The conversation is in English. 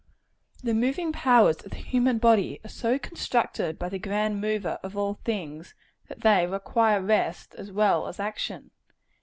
The moving powers of the human body are so constructed by the grand Mover of all things, that they require rest as well as action.